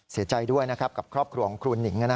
เสียใจด้วยนะครับกับครอบครัวของครูหนิง